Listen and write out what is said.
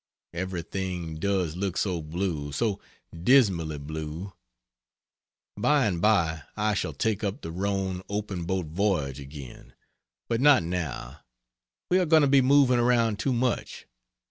Everything does look so blue, so dismally blue! By and by I shall take up the Rhone open boat voyage again, but not now we are going to be moving around too much.